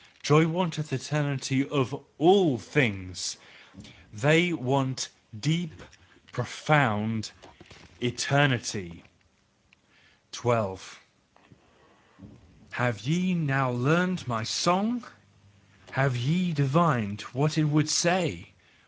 Joys want the eternity of ALL things, they WANT DEEP, PROFOUND ETERNITY! 12. Have ye now learned my song? Have ye divined what it would say?